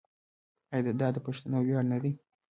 آیا دا د پښتنو ویاړ نه دی؟